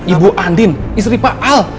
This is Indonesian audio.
ibu andin istri pak al